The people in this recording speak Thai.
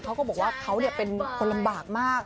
เขาก็บอกว่าเขาเป็นคนลำบากมาก